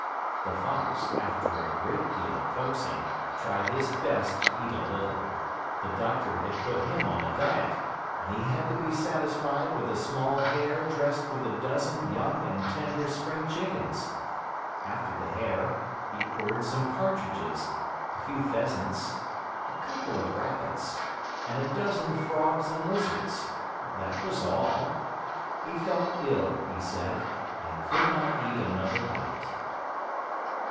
The Fox, after a great deal of coaxing, tried his best to eat a little. The doctor had put him on a diet, and he had to be satisfied with a small hare dressed with a dozen young and tender spring chickens. After the hare, he ordered some partridges, a few pheasants, a couple of rabbits, and a dozen frogs and lizards. That was all. He felt ill, he said, and could not eat another bite.